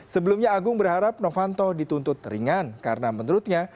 sebelumnya agung berharap novanto dituntut ringan karena menurutnya